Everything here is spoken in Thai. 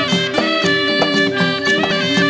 โปรดติดตามต่อไป